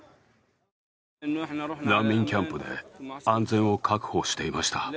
難民キャンプで安全を確保していました。